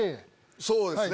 そうですね。